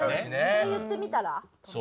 それ言ってみたら？